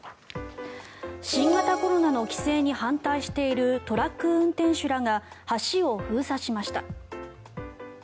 新型コロナの規制に反対しているトラック運転手らが橋を封鎖しました。